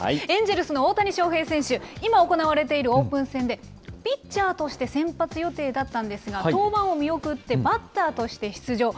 エンジェルスの大谷翔平選手、今行われているオープン戦で、ピッチャーとして先発予定だったんですが、登板を見送って、バッターとして出場。